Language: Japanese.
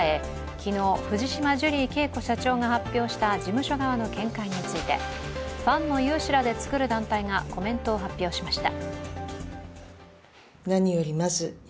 昨日、藤島ジュリー景子社長が発表した事務所側の見解についてファンの有志らで作る団体がコメントを発表しました。